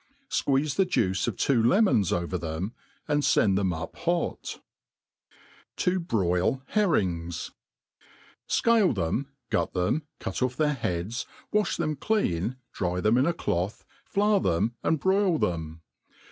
Squeeze the juice of two lemons over them, and fend them up hot. Na iSo THE ART OF COOK'ERY 71 broil Hirrlngs. SCALE them, gut them^ cut off their beads, wafh them clean, dry them in a cloth, flour them and broil them.